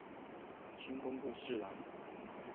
迁工部侍郎。